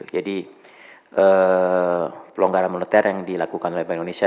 jadi pelonggaran moneter yang dilakukan oleh bank indonesia